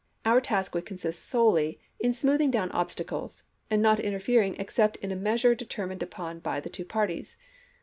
Our task would consist solely in smoothing down obsta cles and not interfering except in a measure de termined upon by the two parties.